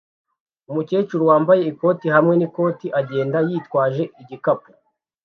Umukecuru wambaye ikoti hamwe n'ikoti agenda yitwaje igikapu